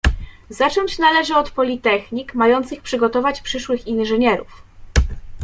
"Zacząć należy od politechnik, mających przygotować przyszłych inżynierów."